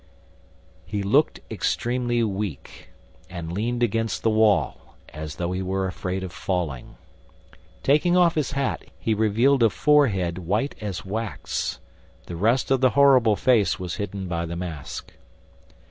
He looked extremely weak and leaned against the wall, as though he were afraid of falling. Taking off his hat, he revealed a forehead white as wax. The rest of the horrible face was hidden by the mask.